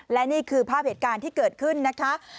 และนี่คือภาพเหตุการณ์ที่เกิดขึ้นนะคะ